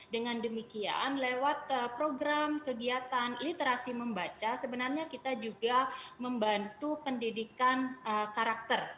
dengan demikian lewat program kegiatan literasi membaca sebenarnya kita juga membantu pendidikan karakter